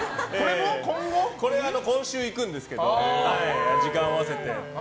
これは今週行くんですけど時間を合わせて。